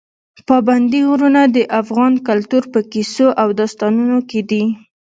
پابندي غرونه د افغان کلتور په کیسو او داستانونو کې دي.